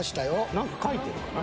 何か書いてるかな？